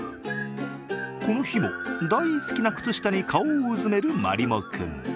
この日も大好きな靴下に顔をうずめるまりも君。